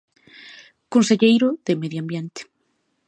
Conselleiro de Medio Ambiente.